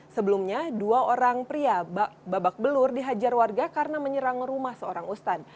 sebelumnya dua orang pria babak belur dihajar warga karena menyerang rumah seorang ustan